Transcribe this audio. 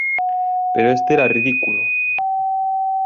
...pero este era ridículo.